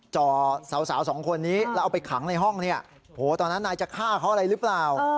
จ่อสาวสองคนนี้แล้วเอาไปขังในห้องเนี่ยโหตอนนั้นนายจะฆ่าเขาอะไรหรือเปล่า